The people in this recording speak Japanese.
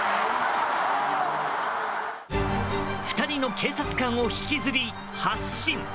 ２人の警察官を引きずり、発進。